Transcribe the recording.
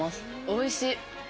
おいしい。